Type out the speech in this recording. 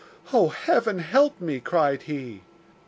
'Oh, heaven, help me!' cried he.